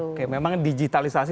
oke memang digitalisasi